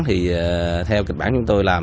thì theo kịch bản chúng tôi làm